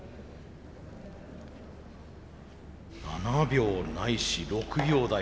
７秒ないし６秒台。